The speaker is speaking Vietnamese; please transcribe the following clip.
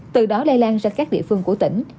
từ đó lây lan ra các địa phương của tỉnh